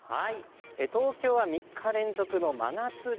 東京は３日連続の真夏日。